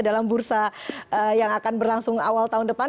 dalam bursa yang akan berlangsung awal tahun depan